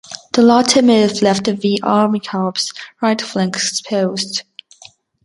The latter move left the V Armeekorps' right flank exposed.